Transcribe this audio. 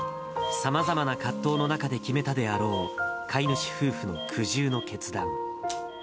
さまざまな葛藤の中で決めたであろう、飼い主夫婦の苦渋の決断。